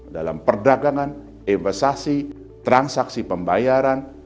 dalam perdagangan investasi transaksi pembayaran